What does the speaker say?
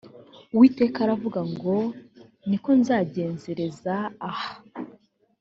uwiteka aravuga ngo ni ko nzagenzereza aha